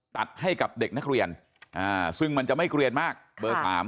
ตัดให้กับเด็กนักเรียนซึ่งมันจะไม่เกลียนมากเบอร์๓